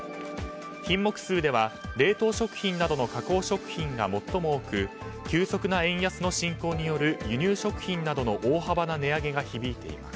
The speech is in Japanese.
品目数では、冷凍食品などの加工食品が最も多く急速な円安の進行による輸入食品などの大幅な値上げが響いています。